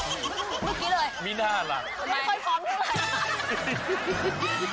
นึกกี่เลยมีนาลักไม่ค่อยพร้อมเท่าไหร่